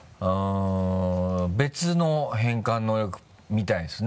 別の変換能力みたいですね。